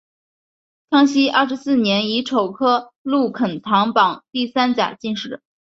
康熙廿四年乙丑科陆肯堂榜第三甲进士。